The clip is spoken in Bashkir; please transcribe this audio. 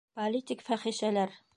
«Политик фәхишәләр!»